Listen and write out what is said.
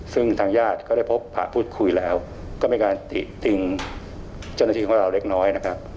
ซึ่งทางญาติก็ได้พบผ่าพูดคุยแล้วก็มีการติติงเจ้าหน้าที่ของเราเล็กน้อยนะครับ